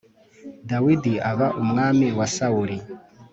dawidi aba umwami wa sawuri